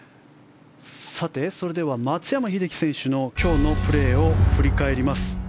さて、松山英樹選手の今日のプレーを振り返ります。